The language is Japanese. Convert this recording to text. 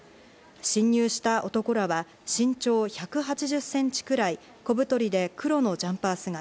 侵入した男らは身長１８０センチくらい、小太りで黒のジャンパー姿。